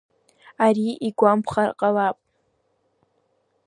Ари игәамԥхар ҟалап.